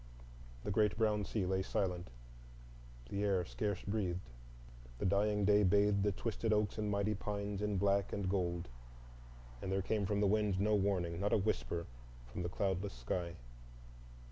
The great brown sea lay silent. The air scarce breathed. The dying day bathed the twisted oaks and mighty pines in black and gold. There came from the wind no warning, not a whisper from the cloudless sky.